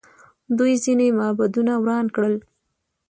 دوی ځینې معبدونه وران کړل